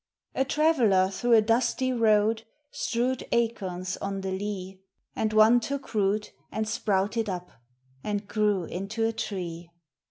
A traveller through a dusty road strewed acorns on the lea; And one took root and sprouted up, and grew into a tree.